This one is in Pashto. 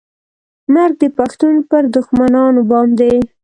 مرګ د پښتون پر دښمنانو باندې